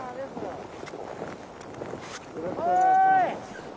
よろしくお願いします。